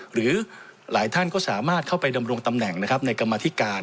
หรือหลายท่านก็สามารถเข้าไปดำรงตำแหน่งนะครับในกรรมธิการ